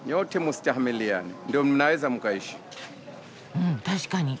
うん確かに。